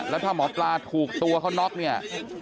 แล้วถ้าหมอปลาถูกตัวเขาน็อกเนี่ย